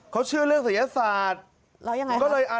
เขาชื่อเรื่องศัลยศาสตร์